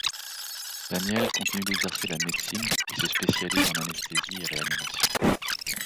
Danielle continue d’exercer la médecine et se spécialise en Anesthésie et Réanimation.